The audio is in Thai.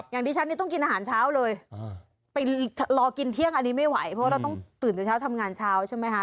อย่างที่ฉันนี่ต้องกินอาหารเช้าเลยไปรอกินเที่ยงอันนี้ไม่ไหวเพราะเราต้องตื่นแต่เช้าทำงานเช้าใช่ไหมคะ